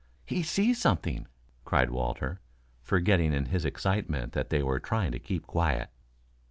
"He sees something," cried Walter, forgetting in his excitement that they were trying to keep quiet.